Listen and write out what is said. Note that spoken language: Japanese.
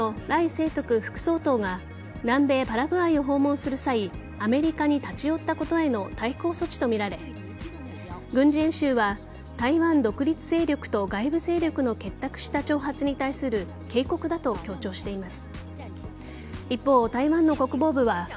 清徳副総統が南米・パラグアイを訪問する際アメリカに立ち寄ったことへの対抗措置とみられ軍事演習は台湾独立勢力と外部勢力の結託した挑発に対する警告だと強調しています。